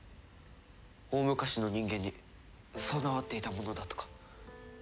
大昔の人間に備わっていたものだとか。